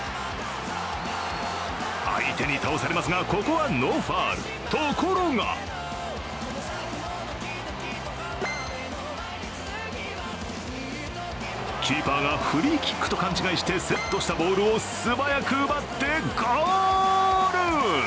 相手に倒されますがここはノーファウル、ところがキーパーがフリーキックと勘違いしてセットしたボールを素早く奪ってゴール！